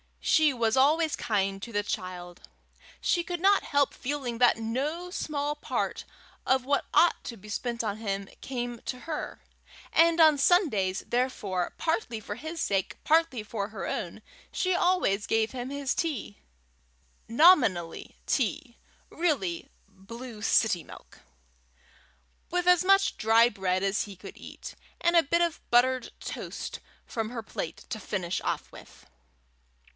She was always kind to the child. She could not help feeling that no small part of what ought to be spent on him came to her; and on Sundays, therefore, partly for his sake, partly for her own, she always gave him his tea nominally tea, really blue city milk with as much dry bread as he could eat, and a bit of buttered toast from her plate to finish off with.